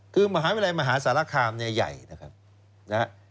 คือมหาวิทยาลัยมหาสารคามเนี่ยใหญ่นะครับนะฮะ